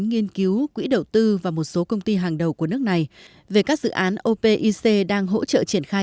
nghiên cứu quỹ đầu tư và một số công ty hàng đầu của nước này về các dự án opic đang hỗ trợ triển khai